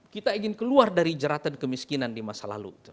kita ingin keluar dari jeratan kemiskinan di masa lalu